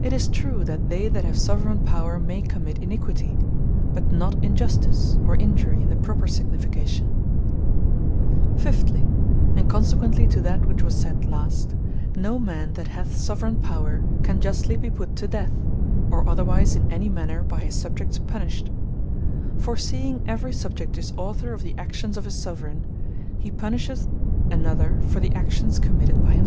It is true that they that have Soveraigne power, may commit Iniquity; but not Injustice, or Injury in the proper signification. 5. What Soever The Soveraigne Doth, Is Unpunishable By The Subject Fiftly, and consequently to that which was sayd last, no man that hath Soveraigne power can justly be put to death, or otherwise in any manner by his Subjects punished. For seeing every Subject is author of the actions of his Soveraigne; he punisheth another, for the actions committed by himselfe.